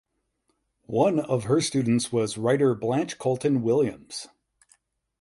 One of her students was writer Blanche Colton Williams.